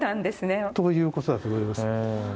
ということだと思います。